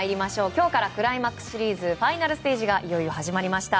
今日からクライマックスシリーズファイナルステージがいよいよ始まりました。